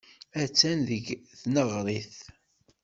Attan deg tneɣrit.